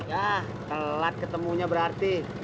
yah telat ketemunya berarti